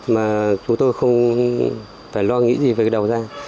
mà chúng tôi không phải lo nghĩ gì về cái đầu ra